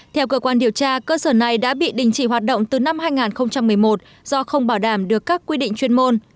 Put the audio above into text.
theo cơ quan điều tra cơ sở này đã bị đình chỉ hoạt động từ năm hai nghìn một mươi một do không bảo đảm được các quy định chuyên môn